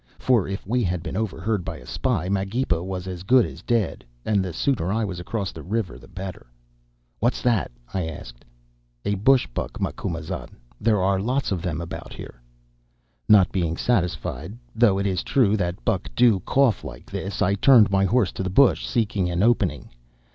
For if we had been overheard by a spy, Magepa was as good as dead, and the sooner I was across the river the better. "'What's that?' I asked. "'A bush buck, Macumazahn. There are lots of them about here.' "Not being satisfied, though it is true that buck do cough like this, I turned my horse to the bush, seeking an opening.